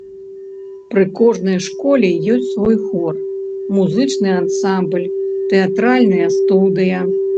Пры кожнай школе ёсць свой хор, музычны ансамбль, тэатральная студыя.